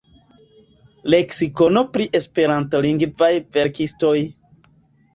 Leksikono pri Esperantlingvaj verkistoj.